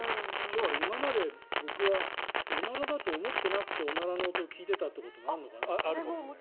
じゃあ、今まで僕はおならだと思ってなくておならの音を聞いてたということになるのかな。